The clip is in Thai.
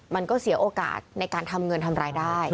มันก็เสียโอกาสในการทำเงินทำรายได้